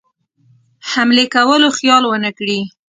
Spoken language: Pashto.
حملې کولو خیال ونه کړي.